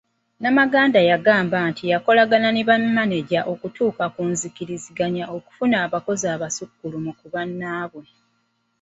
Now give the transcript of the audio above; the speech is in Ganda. Namaganda yagamba nti yakolagana ne bamaneja okutuuka ku nzikiriziganya okufuna abakozi abaasukkuluma ku bannaabwe.